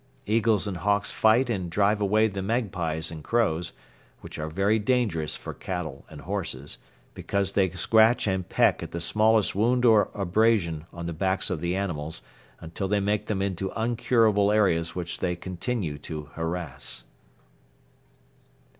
Eagles and hawks fight and drive away the magpies and crows, which are very dangerous for cattle and horses, because they scratch and peck at the smallest wound or abrasion on the backs of the animals until they make them into uncurable areas which they continue to harass.